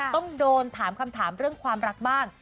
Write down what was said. ต้องโดนถามคำถามเรื่องความรักบ้าง